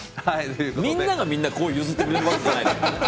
みんながみんなこう譲ってくれるわけじゃないからね。